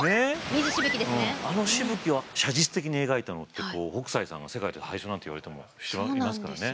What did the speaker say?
あのしぶきを写実的に描いたのって北斎さんが世界で最初なんていわれてもいますからね。